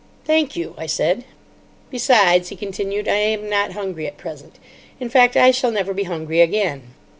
"Thank you," I said. "Besides," he continued, "I am not hungry at present. In fact, I shall never be hungry again."